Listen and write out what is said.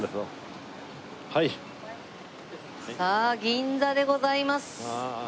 さあ銀座でございます。